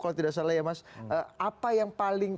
kalau tidak salah ya mas apa yang paling